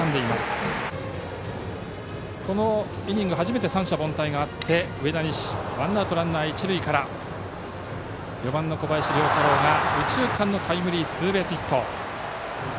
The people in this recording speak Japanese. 土浦日大、このイニング初めて三者凡退があって上田西、ワンアウトランナー、一塁から４番の小林遼太郎が右中間へのタイムリーツーベースヒット。